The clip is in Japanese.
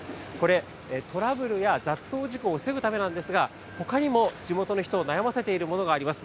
これ、トラブルや雑踏事故を防ぐためなんですが、ほかにも地元の人を悩ませているものがあります。